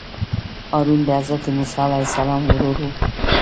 هارون د حضرت موسی علیه السلام ورور وو.